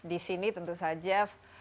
di sini tentu saja